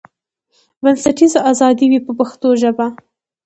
بنسټیزه ازادي وي په پښتو ژبه.